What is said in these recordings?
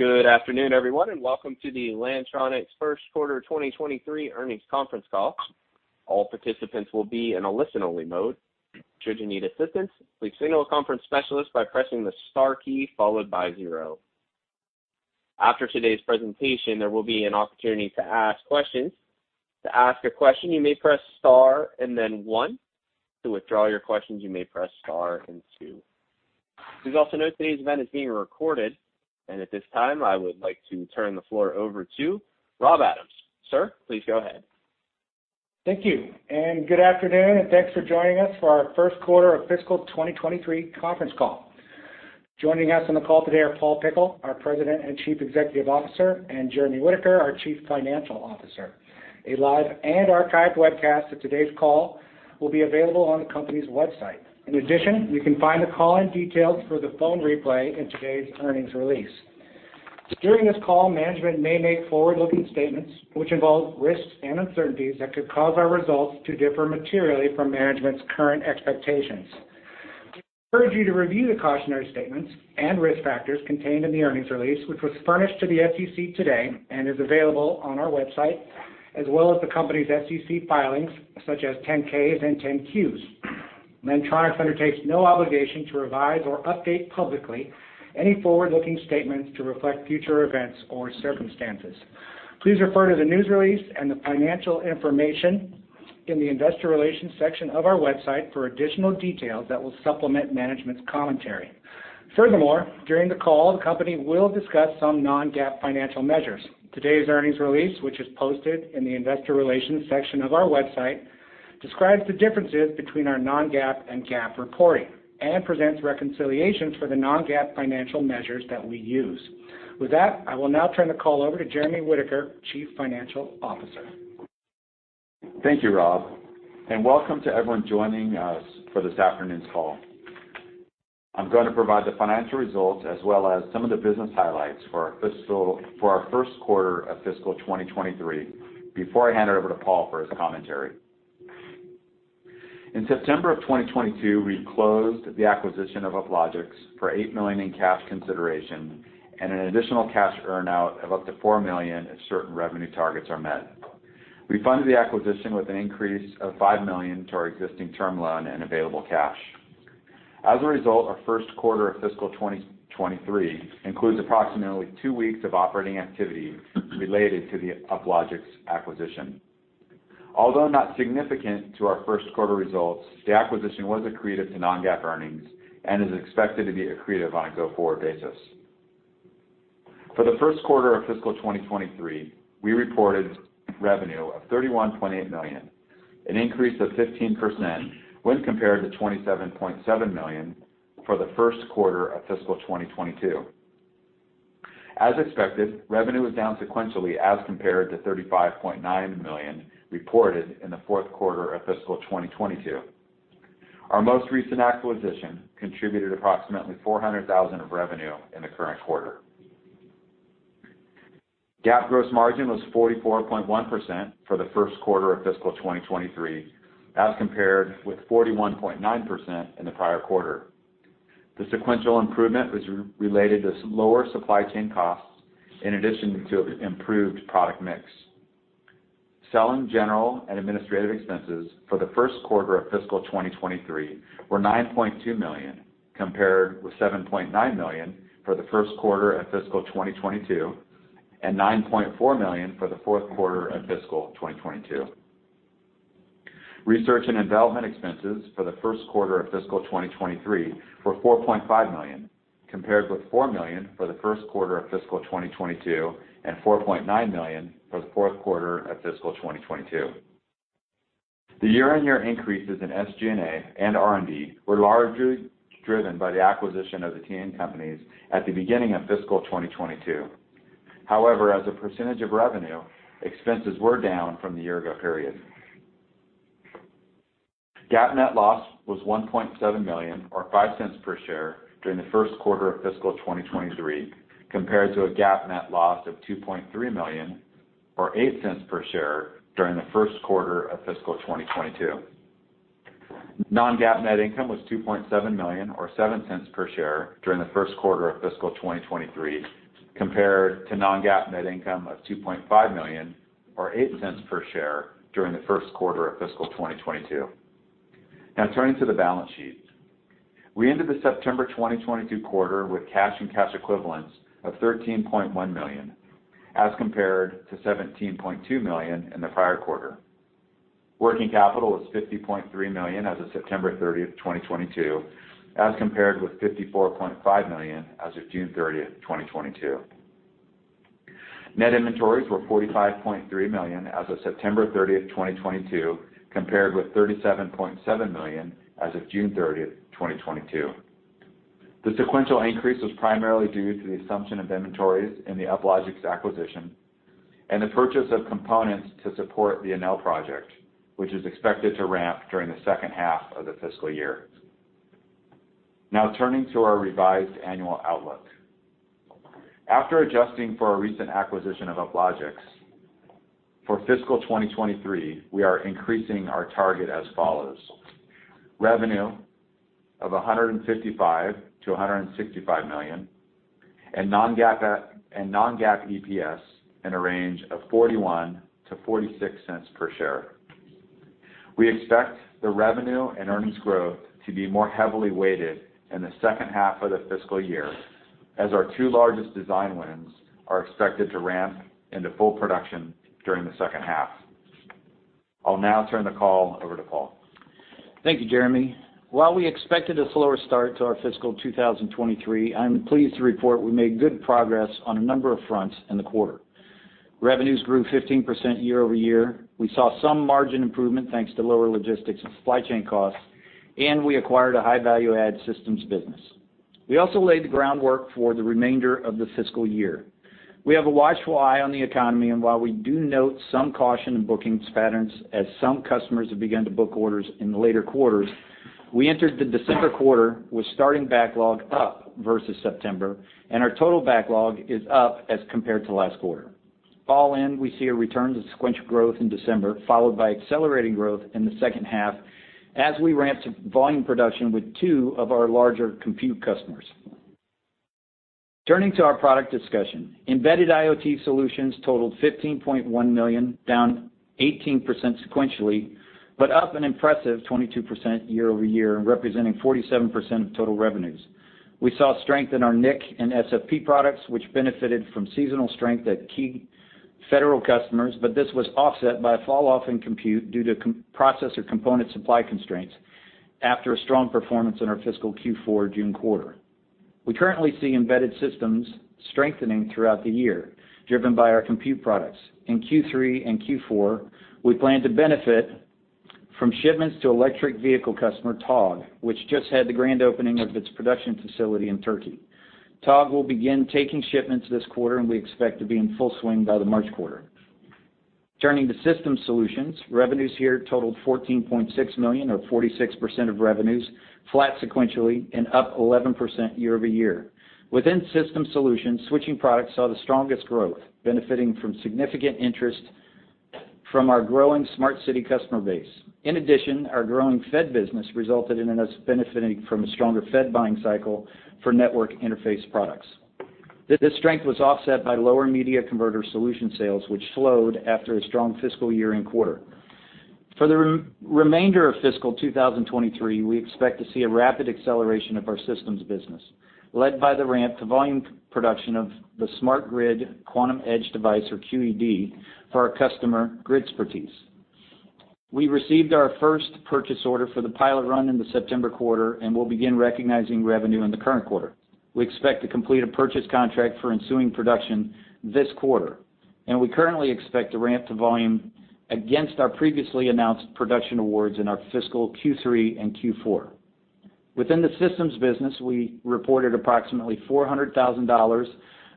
Good afternoon, everyone, and welcome to the Lantronix first quarter 2023 earnings conference call. All participants will be in a listen-only mode. Should you need assistance, please signal a conference specialist by pressing the star key followed by zero. After today's presentation, there will be an opportunity to ask questions. To ask a question, you may press star and then one. To withdraw your questions, you may press star and two. Please also note today's event is being recorded. At this time, I would like to turn the floor over to Rob Adams. Sir, please go ahead. Thank you. Good afternoon, and thanks for joining us for our first quarter of fiscal 2023 conference call. Joining us on the call today are Paul Pickle, our President and Chief Executive Officer, and Jeremy Whitaker, our Chief Financial Officer. A live and archived webcast of today's call will be available on the company's website. In addition, you can find the call and details for the phone replay in today's earnings release. During this call, management may make forward-looking statements which involve risks and uncertainties that could cause our results to differ materially from management's current expectations. I encourage you to review the cautionary statements and risk factors contained in the earnings release, which was furnished to the SEC today and is available on our website, as well as the company's SEC filings, such as 10-Ks and 10-Qs. Lantronix undertakes no obligation to revise or update publicly any forward-looking statements to reflect future events or circumstances. Please refer to the news release and the financial information in the investor relations section of our website for additional details that will supplement management's commentary. Furthermore, during the call, the company will discuss some non-GAAP financial measures. Today's earnings release, which is posted in the investor relations section of our website, describes the differences between our non-GAAP and GAAP reporting and presents reconciliations for the non-GAAP financial measures that we use. With that, I will now turn the call over to Jeremy Whitaker, Chief Financial Officer. Thank you, Rob, and welcome to everyone joining us for this afternoon's call. I'm going to provide the financial results as well as some of the business highlights for our first quarter of fiscal 2023 before I hand it over to Paul for his commentary. In September 2022, we closed the acquisition of Uplogix for $8 million in cash consideration and an additional cash earn-out of up to $4 million if certain revenue targets are met. We funded the acquisition with an increase of $5 million to our existing term loan and available cash. As a result, our first quarter of fiscal 2023 includes approximately two weeks of operating activity related to the Uplogix acquisition. Although not significant to our first quarter results, the acquisition was accretive to non-GAAP earnings and is expected to be accretive on a go-forward basis. For the first quarter of fiscal 2023, we reported revenue of $31.8 million, an increase of 15% when compared to $27.7 million for the first quarter of fiscal 2022. As expected, revenue was down sequentially as compared to $35.9 million reported in the fourth quarter of fiscal 2022. Our most recent acquisition contributed approximately $400,000 of revenue in the current quarter. GAAP gross margin was 44.1% for the first quarter of fiscal 2023 as compared with 41.9% in the prior quarter. The sequential improvement was related to lower supply chain costs in addition to improved product mix. Selling, general, and administrative expenses for the first quarter of fiscal 2023 were $9.2 million, compared with $7.9 million for the first quarter of fiscal 2022 and $9.4 million for the fourth quarter of fiscal 2022. Research and development expenses for the first quarter of fiscal 2023 were $4.5 million, compared with $4 million for the first quarter of fiscal 2022 and $4.9 million for the fourth quarter of fiscal 2022. The year-on-year increases in SG&A and R&D were largely driven by the acquisition of the TN companies at the beginning of fiscal 2022. However, as a percentage of revenue, expenses were down from the year ago period. GAAP net loss was $1.7 million or $0.05 per share during the first quarter of fiscal 2023, compared to a GAAP net loss of $2.3 million or $0.08 per share during the first quarter of fiscal 2022. Non-GAAP net income was $2.7 million or $0.07 per share during the first quarter of fiscal 2023, compared to non-GAAP net income of $2.5 million or $0.08 per share during the first quarter of fiscal 2022. Now turning to the balance sheet. We ended the September 2022 quarter with cash and cash equivalents of $13.1 million, as compared to $17.2 million in the prior quarter. Working capital was $50.3 million as of September 30th, 2022, as compared with $54.5 million as of June 30th, 2022. Net inventories were $45.3 million as of September 30th, 2022, compared with $37.7 million as of June 30th, 2022. The sequential increase was primarily due to the assumption of inventories in the Uplogix acquisition and the purchase of components to support the Enel project, which is expected to ramp during the second half of the fiscal year. Now turning to our revised annual outlook. After adjusting for our recent acquisition of Uplogix, for fiscal 2023, we are increasing our target as follows, revenue of $155 million-$165 million, and non-GAAP EBITDA and non-GAAP EPS in a range of $0.41-$0.46 per share. We expect the revenue and earnings growth to be more heavily weighted in the second half of the fiscal year as our two largest design wins are expected to ramp into full production during the second half. I'll now turn the call over to Paul. Thank you, Jeremy. While we expected a slower start to our fiscal 2023, I'm pleased to report we made good progress on a number of fronts in the quarter. Revenues grew 15% year-over-year. We saw some margin improvement, thanks to lower logistics and supply chain costs, and we acquired a high value add systems business. We also laid the groundwork for the remainder of the fiscal year. We have a watchful eye on the economy, and while we do note some caution in bookings patterns as some customers have begun to book orders in the later quarters, we entered the December quarter with starting backlog up versus September, and our total backlog is up as compared to last quarter. All in, we see a return to sequential growth in December, followed by accelerating growth in the second half as we ramp to volume production with two of our larger compute customers. Turning to our product discussion. Embedded IoT solutions totaled $15.1 million, down 18% sequentially, but up an impressive 22% year-over-year, representing 47% of total revenues. We saw strength in our NIC and SFP products, which benefited from seasonal strength at key federal customers, but this was offset by a falloff in compute due to co-processor component supply constraints after a strong performance in our fiscal Q4 June quarter. We currently see embedded systems strengthening throughout the year, driven by our compute products. In Q3 and Q4, we plan to benefit from shipments to electric vehicle customer, Togg, which just had the grand opening of its production facility in Turkey. Togg will begin taking shipments this quarter, and we expect to be in full swing by the March quarter. Turning to system solutions. Revenues here totaled $14.6 million or 46% of revenues, flat sequentially and up 11% year-over-year. Within system solutions, switching products saw the strongest growth, benefiting from significant interest from our growing smart city customer base. In addition, our growing Fed business resulted in us benefiting from a stronger Fed buying cycle for network interface products. This strength was offset by lower media converter solution sales, which slowed after a strong fiscal year-end quarter. For the remainder of fiscal 2023, we expect to see a rapid acceleration of our systems business, led by the ramp to volume production of the Smart Grid Quantum Edge Device, or QED, for our customer, Gridspertise. We received our first purchase order for the pilot run in the September quarter and will begin recognizing revenue in the current quarter. We expect to complete a purchase contract for ensuing production this quarter, and we currently expect to ramp to volume against our previously announced production awards in our fiscal Q3 and Q4. Within the systems business, we reported approximately $400,000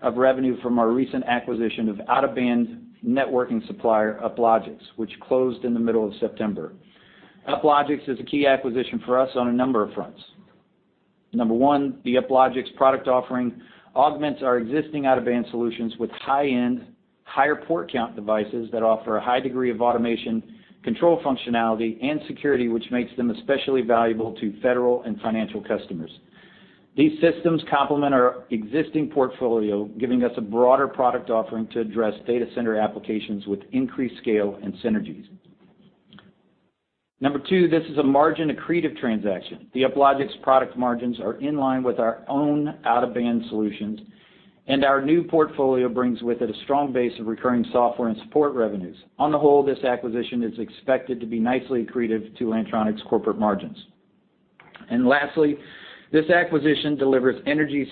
of revenue from our recent acquisition of out-of-band networking supplier, Uplogix, which closed in the middle of September. Uplogix is a key acquisition for us on a number of fronts. Number one, the Uplogix product offering augments our existing out-of-band solutions with high-end, higher port count devices that offer a high degree of automation, control functionality, and security, which makes them especially valuable to federal and financial customers. These systems complement our existing portfolio, giving us a broader product offering to address data center applications with increased scale and synergies. Number two, this is a margin-accretive transaction. The Uplogix product margins are in line with our own out-of-band solutions, and our new portfolio brings with it a strong base of recurring software and support revenues. On the whole, this acquisition is expected to be nicely accretive to Lantronix corporate margins. Lastly, this acquisition delivers energy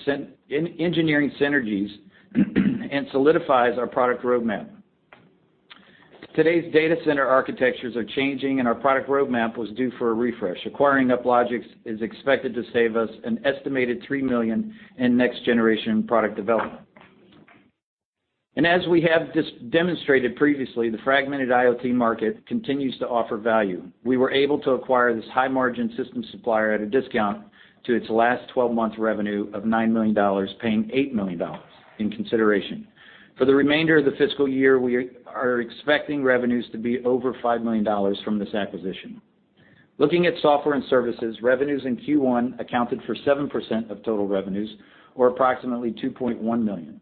engineering synergies and solidifies our product roadmap. Today's data center architectures are changing, and our product roadmap was due for a refresh. Acquiring Uplogix is expected to save us an estimated $3 million in next-generation product development. As we have demonstrated previously, the fragmented IoT market continues to offer value. We were able to acquire this high-margin system supplier at a discount to its last twelve-month revenue of $9 million, paying $8 million in consideration. For the remainder of the fiscal year, we are expecting revenues to be over $5 million from this acquisition. Looking at software and services, revenues in Q1 accounted for 7% of total revenues, or approximately $2.1 million.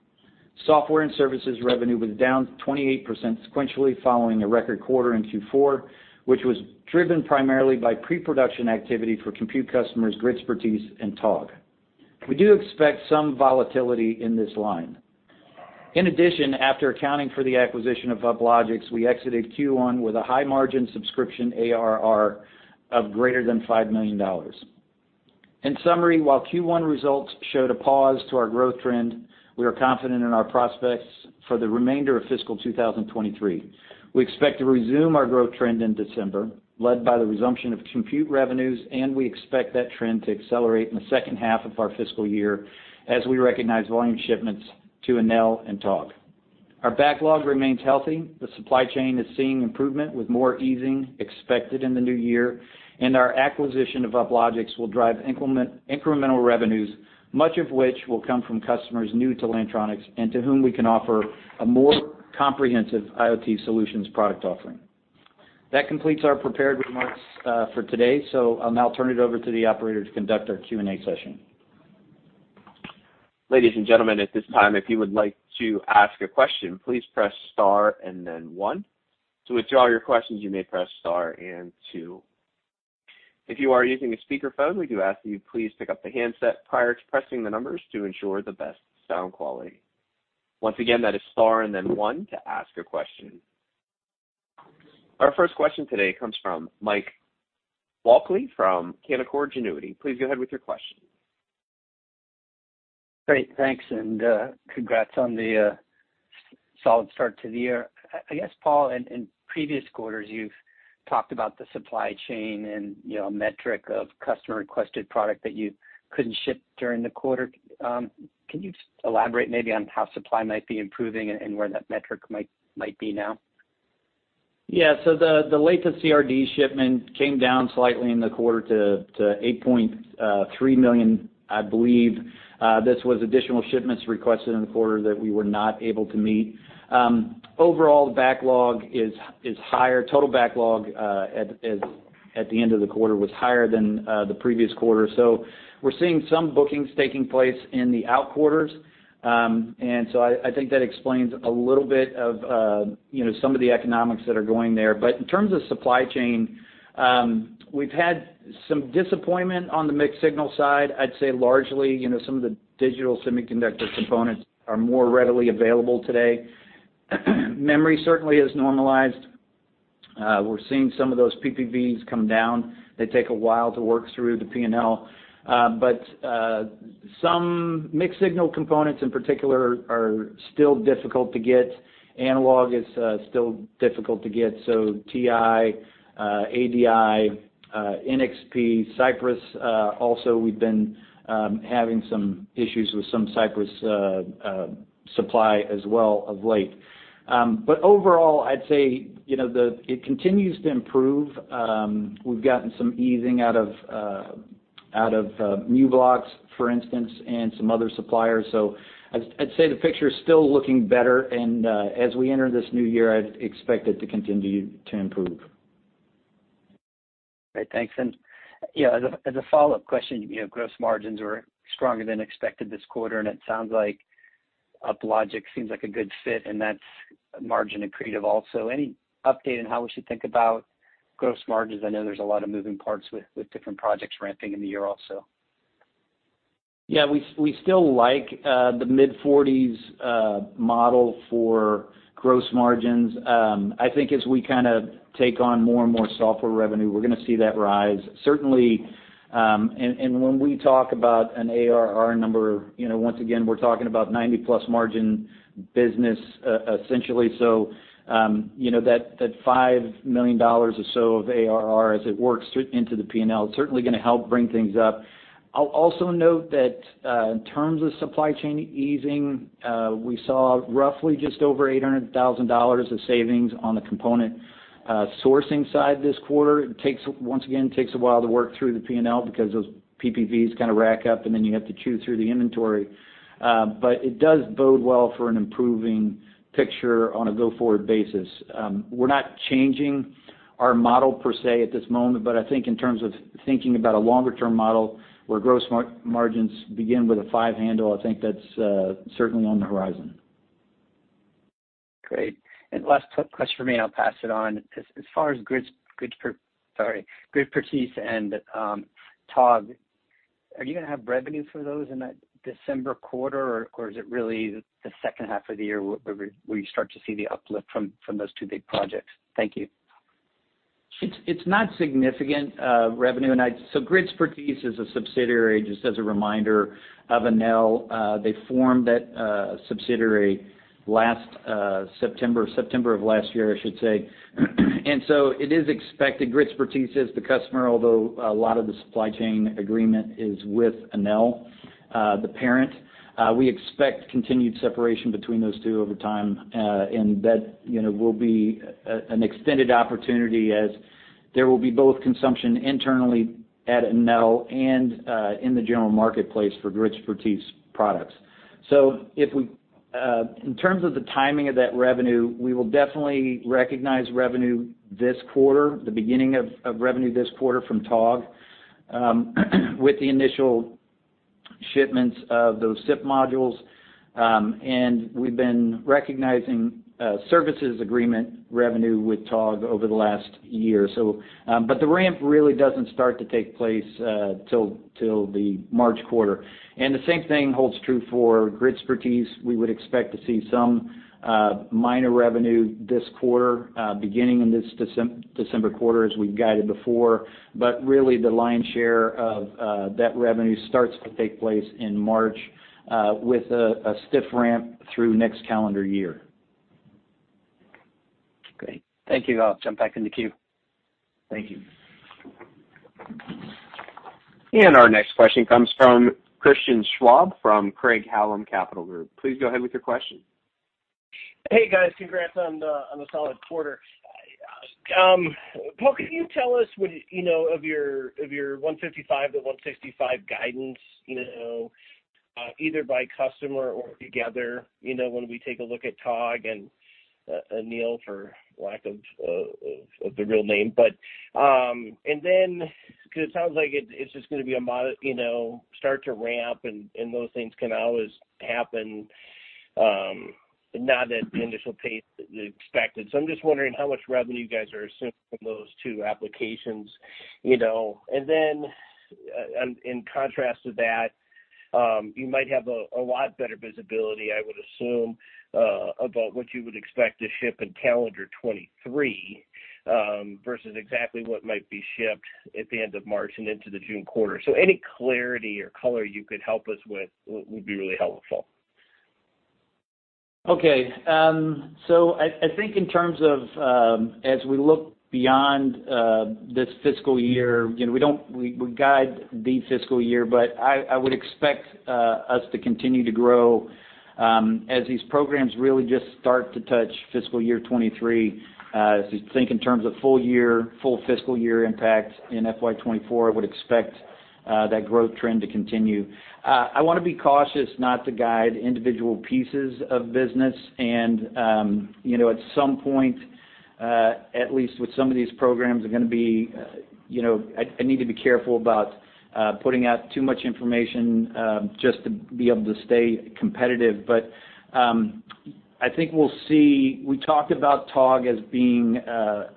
Software and services revenue was down 28% sequentially following a record quarter in Q4, which was driven primarily by pre-production activity for compute customers, Gridspertise and Togg. We do expect some volatility in this line. In addition, after accounting for the acquisition of Uplogix, we exited Q1 with a high-margin subscription ARR of greater than $5 million. In summary, while Q1 results showed a pause to our growth trend, we are confident in our prospects for the remainder of fiscal 2023. We expect to resume our growth trend in December, led by the resumption of compute revenues, and we expect that trend to accelerate in the second half of our fiscal year as we recognize volume shipments to Enel and Togg. Our backlog remains healthy. The supply chain is seeing improvement with more easing expected in the new year, and our acquisition of Uplogix will drive incremental revenues, much of which will come from customers new to Lantronix and to whom we can offer a more comprehensive IoT solutions product offering. That completes our prepared remarks for today. I'll now turn it over to the operator to conduct our Q&A session. Ladies and gentlemen, at this time, if you would like to ask a question, please press star and then one. To withdraw your questions, you may press star and two. If you are using a speaker phone, we do ask that you please pick up the handset prior to pressing the numbers to ensure the best sound quality. Once again, that is star and then one to ask a question. Our first question today comes from Mike Walkley from Canaccord Genuity. Please go ahead with your question. Great. Thanks. Congrats on the solid start to the year. I guess, Paul, in previous quarters, you've talked about the supply chain and, you know, metric of customer requested product that you couldn't ship during the quarter. Can you just elaborate maybe on how supply might be improving and where that metric might be now? Yeah. The latest CRD shipment came down slightly in the quarter to $8.3 million. I believe this was additional shipments requested in the quarter that we were not able to meet. Overall backlog is higher. Total backlog at the end of the quarter was higher than the previous quarter. We're seeing some bookings taking place in the out quarters. I think that explains a little bit of you know some of the economics that are going there. In terms of supply chain, we've had some disappointment on the mixed signal side. I'd say largely you know some of the digital semiconductor components are more readily available today. Memory certainly has normalized. We're seeing some of those PPVs come down. They take a while to work through the P&L. Some mixed signal components in particular are still difficult to get. Analog is still difficult to get, so TI, ADI, NXP, Cypress. Also we've been having some issues with some Cypress supply as well of late. Overall, I'd say, you know, it continues to improve. We've gotten some easing out of out of Murata blocks, for instance, and some other suppliers. I'd say the picture is still looking better, and as we enter this new year, I'd expect it to continue to improve. Great. Thanks. Yeah, as a follow-up question, you know, gross margins were stronger than expected this quarter, and it sounds like Uplogix seems like a good fit, and that's margin accretive also. Any update on how we should think about gross margins? I know there's a lot of moving parts with different projects ramping in the year also. Yeah. We still like the mid-40s model for gross margins. I think as we kinda take on more and more software revenue, we're gonna see that rise. Certainly, and when we talk about an ARR number, you know, once again, we're talking about 90%+ margin business, essentially. You know, that $5 million or so of ARR as it works through into the P&L, it's certainly gonna help bring things up. I'll also note that in terms of supply chain easing, we saw roughly just over $800,000 of savings on the component sourcing side this quarter. It takes, once again, a while to work through the P&L because those PPVs kinda rack up, and then you have to chew through the inventory. It does bode well for an improving picture on a go-forward basis. We're not changing our model per se at this moment, but I think in terms of thinking about a longer-term model where gross margins begin with a five handle, I think that's certainly on the horizon. Great. Last question for me, I'll pass it on. As far as Gridspertise and Togg, are you gonna have revenue for those in that December quarter, or is it really the second half of the year where you start to see the uplift from those two big projects? Thank you. It's not significant revenue. Gridspertise is a subsidiary, just as a reminder, of Enel. They formed that subsidiary last September of last year, I should say. It is expected Gridspertise is the customer, although a lot of the supply chain agreement is with Enel, the parent. We expect continued separation between those two over time, and that, you know, will be an extended opportunity as there will be both consumption internally at Enel and in the general marketplace for Gridspertise products. If we in terms of the timing of that revenue, we will definitely recognize revenue this quarter, the beginning of revenue this quarter from Togg with the initial shipments of those SOM modules. We've been recognizing services agreement revenue with Togg over the last year. The ramp really doesn't start to take place till the March quarter. The same thing holds true for Gridspertise. We would expect to see some minor revenue this quarter, beginning in this December quarter as we've guided before. Really the lion's share of that revenue starts to take place in March with a stiff ramp through next calendar year. Great. Thank you. I'll jump back in the queue. Thank you. Our next question comes from Christian Schwab from Craig-Hallum Capital Group. Please go ahead with your question. Hey guys, congrats on the solid quarter. Paul, can you tell us what you know of your $155-$165 guidance, you know, either by customer or together, you know, when we take a look at Togg and Enel for lack of the real name. Because it sounds like it's just gonna be a start to ramp and those things can always happen, but not at the initial pace expected. I'm just wondering how much revenue you guys are assuming from those two applications, you know. In contrast to that, you might have a lot better visibility, I would assume, about what you would expect to ship in calendar 2023, versus exactly what might be shipped at the end of March and into the June quarter. Any clarity or color you could help us with would be really helpful. Okay. So I think in terms of as we look beyond this fiscal year, you know, we guide the fiscal year, but I would expect us to continue to grow as these programs really just start to touch fiscal year 2023. As you think in terms of full year, full fiscal year impact in FY 2024, I would expect that growth trend to continue. I wanna be cautious not to guide individual pieces of business. You know, at some point at least with some of these programs are gonna be, you know, I need to be careful about putting out too much information just to be able to stay competitive. I think we'll see. We talked about Togg as being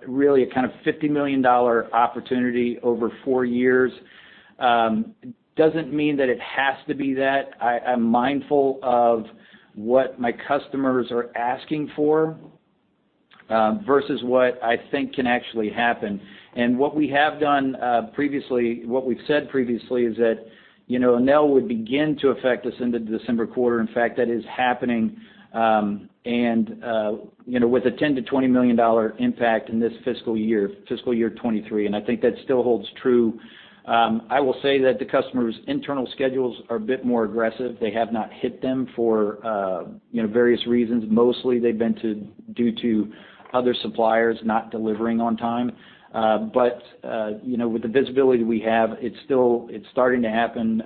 really a kind of $50 million opportunity over four years. Doesn't mean that it has to be that. I'm mindful of what my customers are asking for versus what I think can actually happen. What we have done previously, what we've said previously is that, you know, Enel would begin to affect us into the December quarter. In fact, that is happening, and, you know, with a $10 million-$20 million impact in this fiscal year, fiscal year 2023, and I think that still holds true. I will say that the customers' internal schedules are a bit more aggressive. They have not hit them for, you know, various reasons. Mostly they've been due to other suppliers not delivering on time. With the visibility we have, it's starting to happen,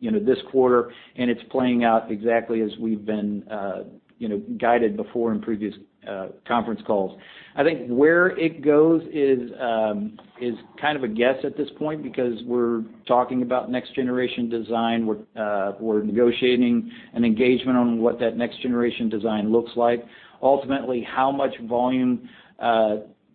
you know, this quarter, and it's playing out exactly as we've been, you know, guided before in previous conference calls. I think where it goes is kind of a guess at this point because we're talking about next generation design. We're negotiating an engagement on what that next generation design looks like. Ultimately, how much volume,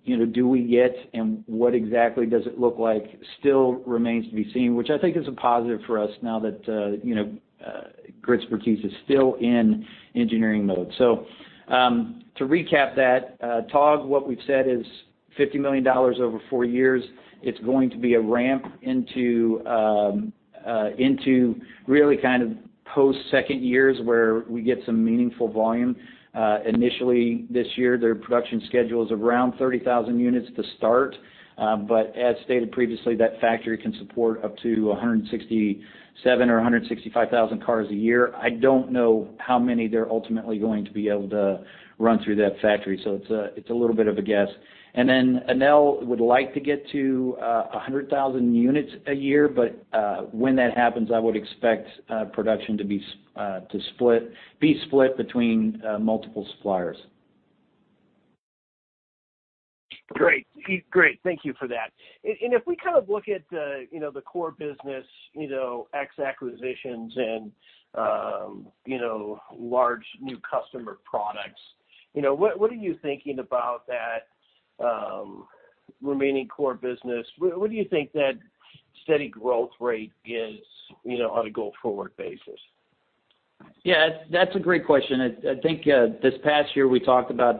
you know, do we get, and what exactly does it look like still remains to be seen, which I think is a positive for us now that, you know, Gridspertise is still in engineering mode. To recap that, Togg, what we've said is $50 million over four years. It's going to be a ramp into really kind of post second years where we get some meaningful volume. Initially this year, their production schedule is around 30,000 units to start. But as stated previously, that factory can support up to 167,000 or 165,000 cars a year. I don't know how many they're ultimately going to be able to run through that factory. It's a little bit of a guess. Enel would like to get to 100,000 units a year. When that happens, I would expect production to be split between multiple suppliers. Great. Thank you for that. If we kind of look at the, you know, the core business, you know, ex acquisitions and, you know, large new customer products, you know, what are you thinking about that remaining core business? What do you think that steady growth rate is, you know, on a go forward basis? Yeah, that's a great question. I think this past year we talked about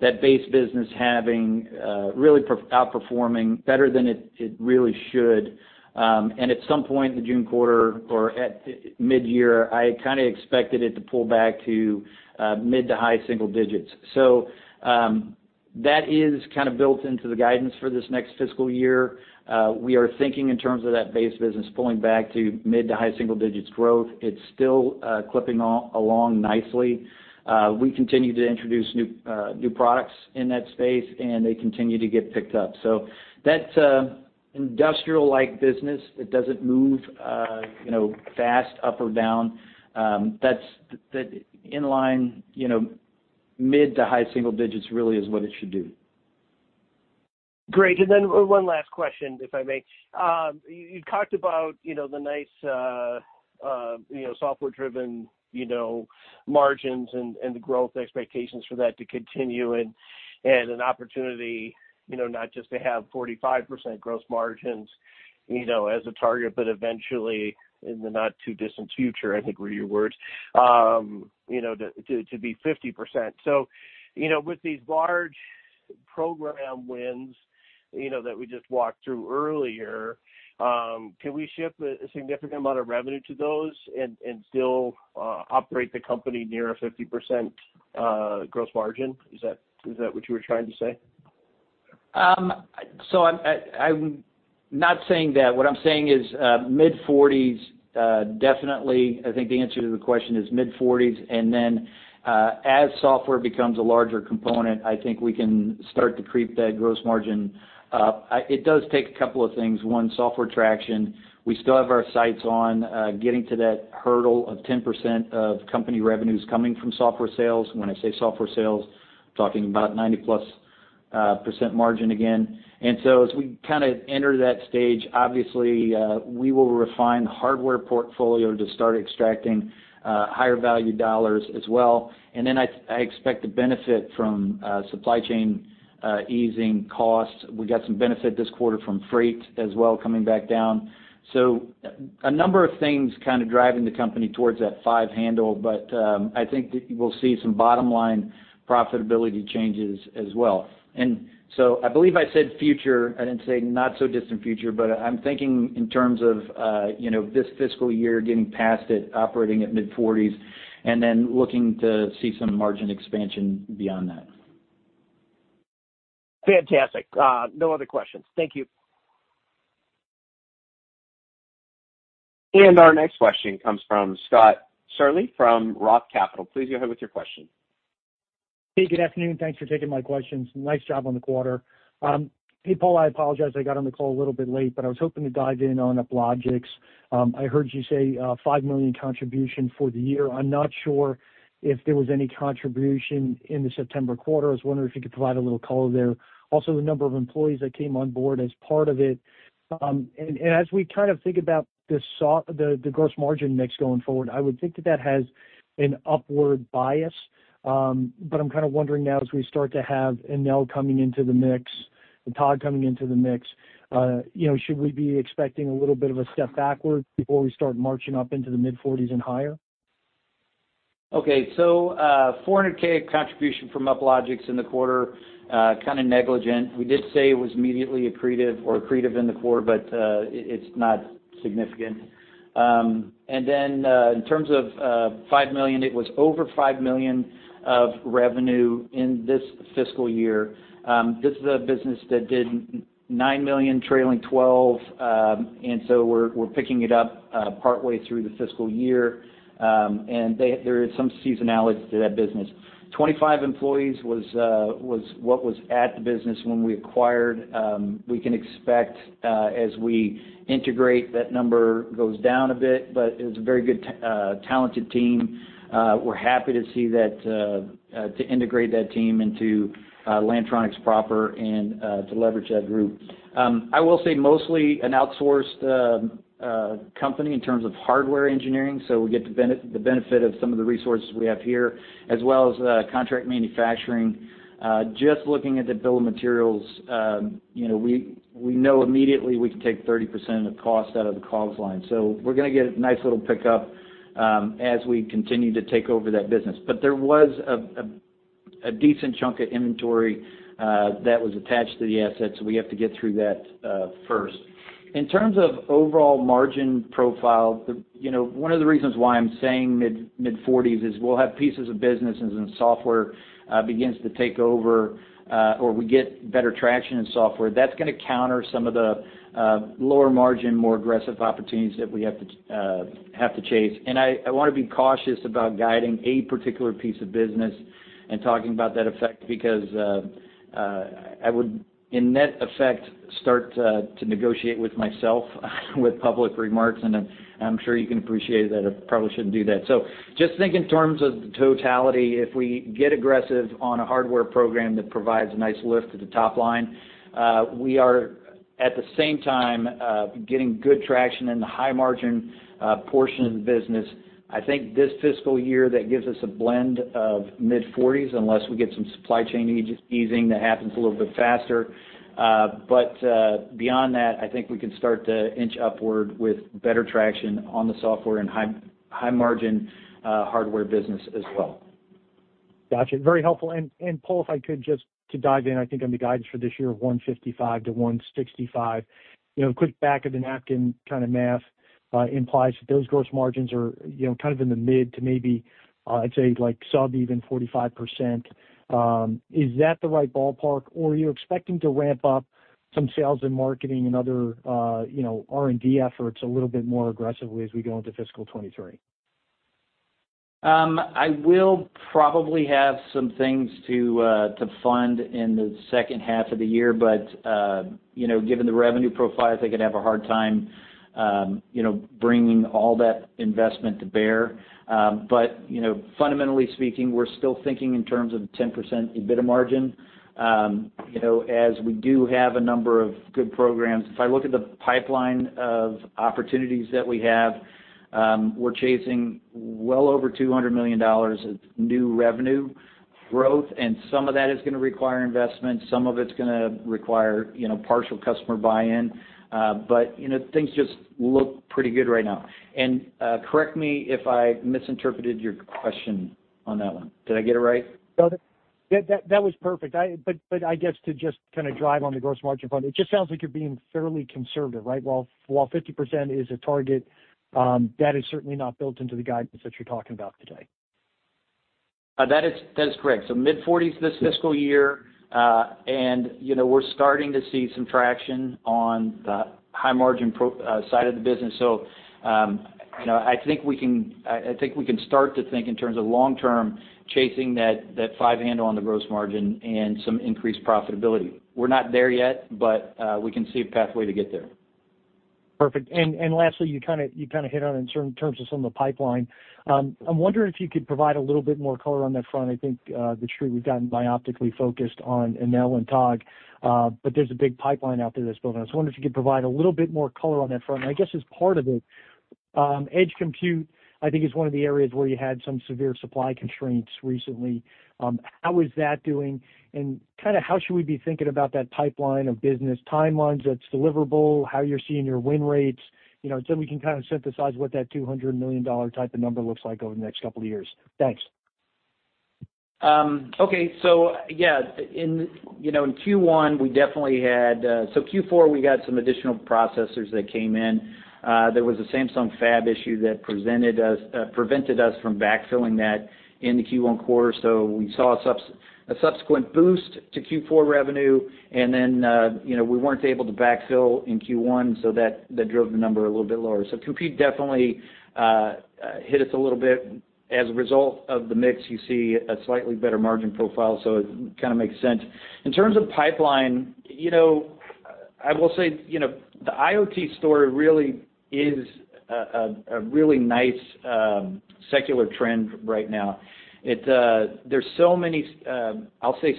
that base business having really outperforming better than it really should. At some point in the June quarter or at midyear, I kinda expected it to pull back to mid- to high-single-digits. That is kind of built into the guidance for this next fiscal year. We are thinking in terms of that base business pulling back to mid- to high-single-digits growth. It's still clipping along nicely. We continue to introduce new products in that space, and they continue to get picked up. That's an industrial-like business that doesn't move, you know, fast up or down. That's the in-line, you know, mid- to high-single-digits really is what it should do. Great. One last question, if I may. You talked about, you know, the nice, you know, software driven, you know, margins and the growth expectations for that to continue and an opportunity, you know, not just to have 45% gross margins, you know, as a target, but eventually in the not too distant future, I think were your words, you know, to be 50%. You know, with these large program wins, you know, that we just walked through earlier, can we ship a significant amount of revenue to those and still operate the company near a 50% gross margin? Is that what you were trying to say? I'm not saying that. What I'm saying is, mid-40%, definitely. I think the answer to the question is mid-40s. As software becomes a larger component, I think we can start to creep that gross margin up. It does take a couple of things. One, software traction. We still have our sights on getting to that hurdle of 10% of company revenues coming from software sales. When I say software sales, talking about 90%+ margin again. As we kinda enter that stage, obviously, we will refine the hardware portfolio to start extracting higher value dollars as well. I expect the benefit from supply chain easing costs. We got some benefit this quarter from freight as well coming back down. A number of things kind of driving the company towards that five handle, but I think that we'll see some bottom-line profitability changes as well. I believe I said future, I didn't say not so distant future, but I'm thinking in terms of, you know, this fiscal year getting past it, operating at mid-40s, and then looking to see some margin expansion beyond that. Fantastic. No other questions. Thank you. Our next question comes from Scott Searle from Roth Capital. Please go ahead with your question. Hey, good afternoon. Thanks for taking my questions. Nice job on the quarter. Hey, Paul, I apologize, I got on the call a little bit late, but I was hoping to dive in on Uplogix. I heard you say $5 million contribution for the year. I'm not sure if there was any contribution in the September quarter. I was wondering if you could provide a little color there. Also, the number of employees that came on board as part of it. And as we kind of think about the gross margin mix going forward, I would think that that has an upward bias. I'm kind of wondering now as we start to have Enel coming into the mix and Togg coming into the mix, you know, should we be expecting a little bit of a step backward before we start marching up into the mid-forties and higher? $400,000 contribution from Uplogix in the quarter, kind of negligible. We did say it was immediately accretive or accretive in the quarter, but it's not significant. In terms of five million, it was over $5 million of revenue in this fiscal year. This is a business that did $9 million trailing twelve. We're picking it up partway through the fiscal year. There is some seasonality to that business. 25 employees was what was at the business when we acquired. We can expect, as we integrate, that number goes down a bit, but it was a very good talented team. We're happy to see that to integrate that team into Lantronix proper and to leverage that group. I will say mostly an outsourced company in terms of hardware engineering, so we get the benefit of some of the resources we have here, as well as contract manufacturing. Just looking at the bill of materials, you know, we know immediately we can take 30% of the cost out of the COGS line. So we're gonna get a nice little pickup as we continue to take over that business. But there was a decent chunk of inventory that was attached to the asset, so we have to get through that first. In terms of overall margin profile, you know, one of the reasons why I'm saying mid-40s is we'll have pieces of business in software begins to take over or we get better traction in software. That's gonna counter some of the lower margin, more aggressive opportunities that we have to chase. I wanna be cautious about guiding a particular piece of business and talking about that effect because I would, in net effect, start to negotiate with myself with public remarks, and I'm sure you can appreciate that I probably shouldn't do that. Just think in terms of the totality. If we get aggressive on a hardware program that provides a nice lift to the top line, we are at the same time getting good traction in the high-margin portion of the business. I think this fiscal year, that gives us a blend of mid-40s unless we get some supply chain easing that happens a little bit faster. Beyond that, I think we can start to inch upward with better traction on the software and high margin hardware business as well. Gotcha. Very helpful. Paul, if I could just to dive in, I think on the guidance for this year of $155-$165. You know, quick back of the napkin kind of math implies that those gross margins are, you know, kind of in the mid- to maybe, I'd say like sub even 45%. Is that the right ballpark, or are you expecting to ramp up some sales and marketing and other, you know, R&D efforts a little bit more aggressively as we go into fiscal 2023? I will probably have some things to fund in the second half of the year, but you know, given the revenue profile, I think I'd have a hard time you know, bringing all that investment to bear. But you know, fundamentally speaking, we're still thinking in terms of 10% EBITDA margin you know, as we do have a number of good programs. If I look at the pipeline of opportunities that we have, we're chasing well over $200 million of new revenue growth, and some of that is gonna require investment, some of it's gonna require you know, partial customer buy-in. But you know, things just look pretty good right now. Correct me if I misinterpreted your question on that one. Did I get it right? No, that was perfect. I guess to just kinda drive on the gross margin front, it just sounds like you're being fairly conservative, right? While 50% is a target, that is certainly not built into the guidance that you're talking about today. That is correct. mid-40s this fiscal year, and you know, we're starting to see some traction on the high margin side of the business. You know, I think we can start to think in terms of long-term chasing that five handle on the gross margin and some increased profitability. We're not there yet, but we can see a pathway to get there. Perfect. Lastly, you kinda hit on it in certain terms of some of the pipeline. I'm wondering if you could provide a little bit more color on that front. I think that's true, we've gotten myopically focused on Enel and Togg, but there's a big pipeline out there that's building. I was wondering if you could provide a little bit more color on that front. I guess as part of it, edge compute is one of the areas where you had some severe supply constraints recently. How is that doing? Kinda how should we be thinking about that pipeline of business timelines that's deliverable, how you're seeing your win rates, you know, so we can kinda synthesize what that $200 million type of number looks like over the next couple of years. Thanks. Okay. Yeah, in Q1, you know, Q4, we got some additional processors that came in. There was a Samsung fab issue that prevented us from backfilling that in the Q1 quarter. We saw a subsequent boost to Q4 revenue and then, you know, we weren't able to backfill in Q1, so that drove the number a little bit lower. Competition definitely hit us a little bit. As a result of the mix, you see a slightly better margin profile, so it kinda makes sense. In terms of pipeline, you know, I will say, you know, the IoT story really is a really nice secular trend right now. There's so many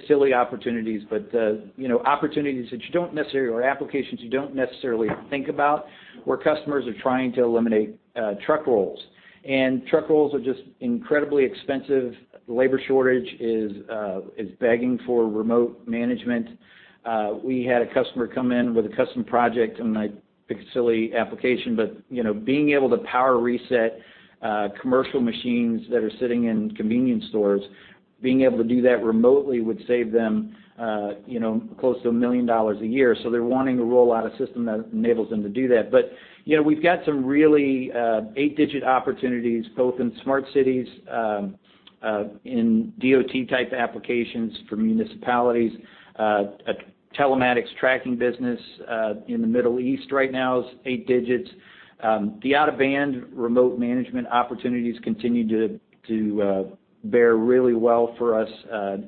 silly opportunities, but you know, opportunities that you don't necessarily, or applications you don't necessarily think about, where customers are trying to eliminate truck rolls. Truck rolls are just incredibly expensive. Labor shortage is begging for remote management. We had a customer come in with a custom project, and I think a silly application, but you know, being able to power reset commercial machines that are sitting in convenience stores, being able to do that remotely would save them you know, close to $1 million a year. They're wanting to roll out a system that enables them to do that. You know, we've got some really eight-digit opportunities, both in smart cities, in DOT-type applications for municipalities. A telematics tracking business in the Middle East right now is eight digits. The out-of-band remote management opportunities continue to bear really well for us.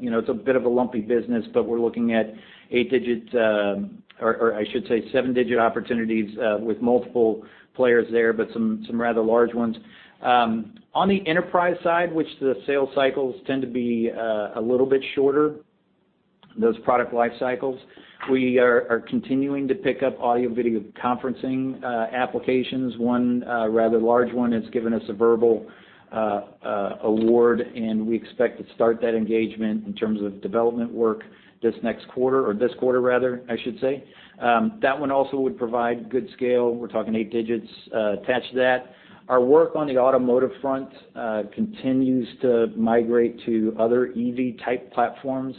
You know, it's a bit of a lumpy business, but we're looking at eight-digit or I should say seven-digit opportunities with multiple players there, but some rather large ones. On the enterprise side, where the sales cycles tend to be a little bit shorter, those product life cycles, we are continuing to pick up audio/video conferencing applications. One rather large one has given us a verbal award, and we expect to start that engagement in terms of development work this next quarter or this quarter rather, I should say. That one also would provide good scale. We're talking eight digits attached to that. Our work on the automotive front continues to migrate to other EV-type platforms.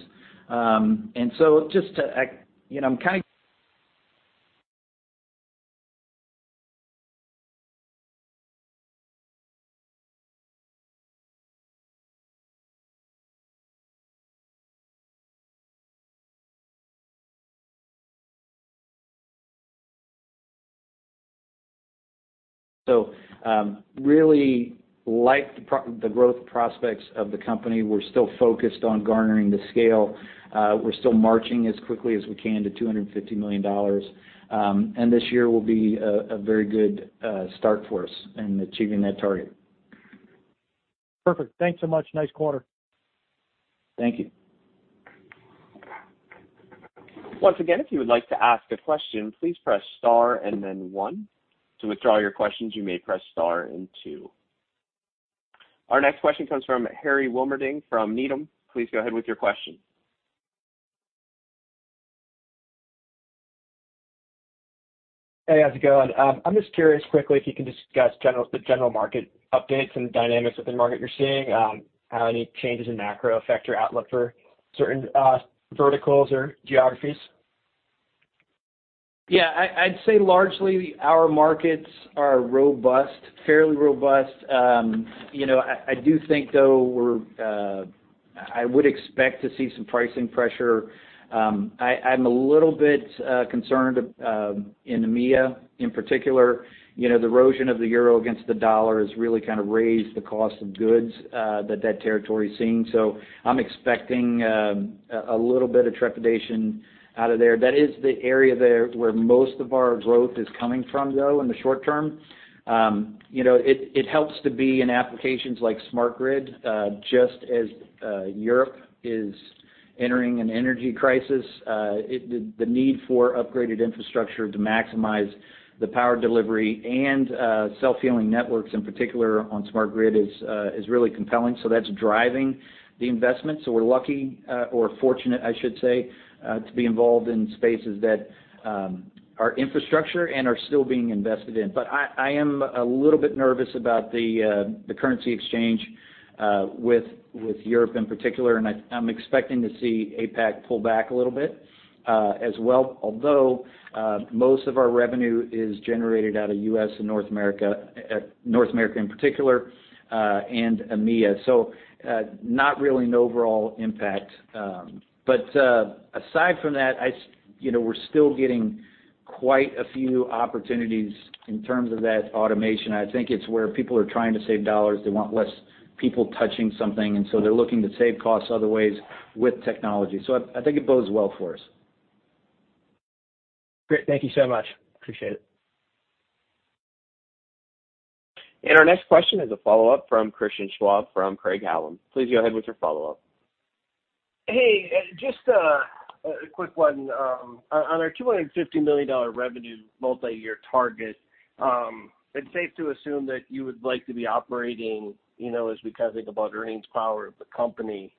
Really like the growth prospects of the company. We're still focused on garnering the scale. We're still marching as quickly as we can to $250 million. This year will be a very good start for us in achieving that target. Perfect. Thanks so much. Nice quarter. Thank you. Once again, if you would like to ask a question, please press star and then one. To withdraw your questions, you may press star and two. Our next question comes from Harry Wilmerding from Needham. Please go ahead with your question. Hey, how's it going? I'm just curious quickly if you can discuss the general market updates and the dynamics of the market you're seeing, how any changes in macro affect your outlook for certain verticals or geographies. Yeah. I'd say largely our markets are robust, fairly robust. You know, I do think though, I would expect to see some pricing pressure. I'm a little bit concerned in EMEA, in particular. You know, the erosion of the euro against the dollar has really kind of raised the cost of goods that territory is seeing. So I'm expecting a little bit of trepidation out of there. That is the area there where most of our growth is coming from, though, in the short term. You know, it helps to be in applications like smart grid just as Europe is entering an energy crisis, the need for upgraded infrastructure to maximize the power delivery and self-healing networks, in particular on smart grid is really compelling. That's driving the investment. We're lucky, or fortunate, I should say, to be involved in spaces that are infrastructure and are still being invested in. I am a little bit nervous about the currency exchange with Europe in particular, and I'm expecting to see APAC pull back a little bit as well, although most of our revenue is generated out of U.S. and North America, North America in particular, and EMEA. Not really an overall impact. Aside from that, you know, we're still getting quite a few opportunities in terms of that automation. I think it's where people are trying to save dollars, they want less people touching something, and so they're looking to save costs other ways with technology. I think it bodes well for us. Great. Thank you so much. Appreciate it. Our next question is a follow-up from Christian Schwab from Craig-Hallum. Please go ahead with your follow-up. Hey, just a quick one. On our $250 million revenue multi-year target, it's safe to assume that you would like to be operating, you know, as we kind of think about earnings power of the company,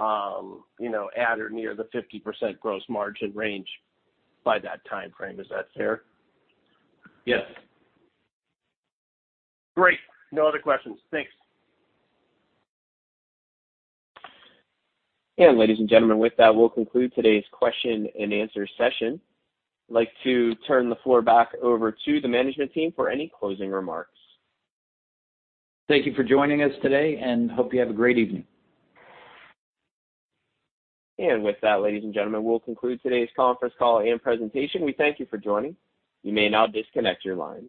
you know, at or near the 50% gross margin range by that timeframe. Is that fair? Yes. Great. No other questions. Thanks. Ladies and gentlemen, with that, we'll conclude today's question and answer session. I'd like to turn the floor back over to the management team for any closing remarks. Thank you for joining us today, and hope you have a great evening. With that, ladies and gentlemen, we'll conclude today's conference call and presentation. We thank you for joining. You may now disconnect your lines.